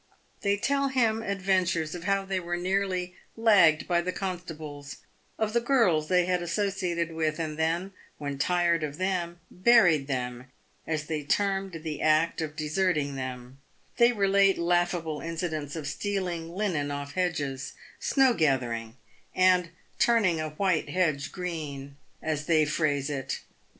They tell him adventures of how they were nearly " lagged by the constables ;" of the girls they had associated with, and then, when tired of them, " buried" them, as they termed the act of deserting them ; they relate laughable incidents of stealing linen off hedges — "snow gathering" — and "turning a white hedge green," as they phrase it.